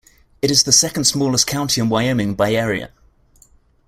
It is the second-smallest county in Wyoming by area.